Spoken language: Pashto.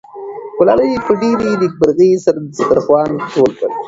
ګلالۍ په ډېرې نېکمرغۍ سره دسترخوان ټول کړ.